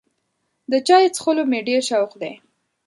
د چای څښلو مې ډېر شوق دی.